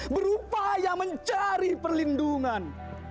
berupaya mencari perlindungan